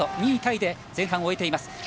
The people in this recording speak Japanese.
２位タイで前半を終えています。